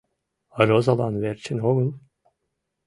— Розалан верчын огыл?